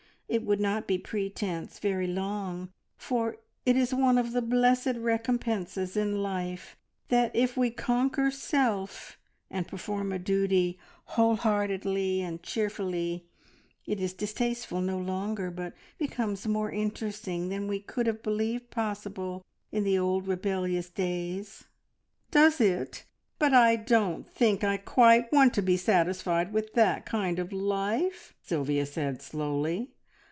It would not be pretence very long, for it is one of the blessed recompenses in life that if we conquer self, and perform a duty whole heartedly and cheerfully, it is distasteful no longer, but becomes more interesting than we could have believed possible in the old rebellious days." "Does it? But I don't think I quite want to be satisfied with that kind of life," Sylvia said slowly.